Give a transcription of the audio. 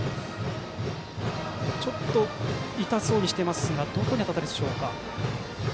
ちょっと痛そうにしていますがどこに当たったか。